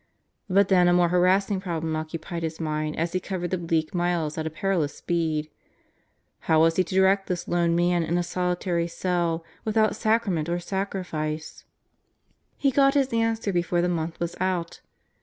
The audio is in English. But then a more harassing problem occupied his mind as he covered the bleak miles at a perilous speed: How was he to direct this lone man in a solitary cell without Sacrament or Sacrifice? He got his answer before the month was out.